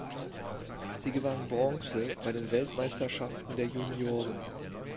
Sie gewann Bronze bei den Weltmeisterschaften der Junioren.